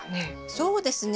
そうですね。